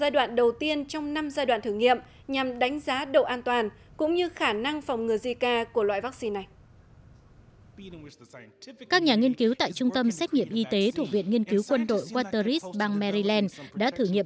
do trung tâm xét nghiệm y tế thuộc viện nghiên cứu quân đội wateris điều chế